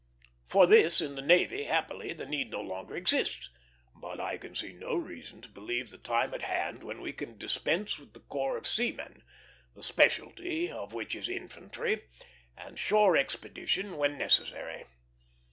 For this, in the navy, happily, the need no longer exists; but I can see no reason to believe the time at hand when we can dispense with a corps of seamen, the specialty of which is infantry and shore expedition when necessary.